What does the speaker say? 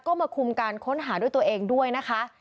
ก็มาคุมการค้นหาด้วยตัวเองด้วยนะคะ